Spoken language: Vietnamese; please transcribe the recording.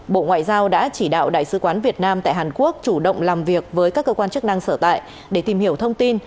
bộ ngoại giao đã chỉ đạo đại sứ quán việt nam tại hàn quốc chủ động làm việc với các cơ quan chức năng sở tại để tìm hiểu thông tin